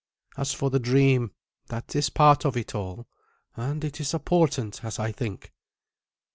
As for the dream, that is part of it all, and it is a portent, as I think."